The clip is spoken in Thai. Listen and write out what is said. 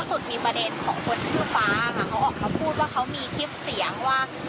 เขาออกมาพูดว่าเขามีคลิปเสียงว่า